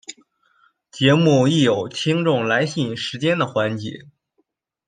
节目亦有听众来信时间的环节。